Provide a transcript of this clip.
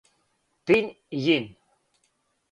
пин јин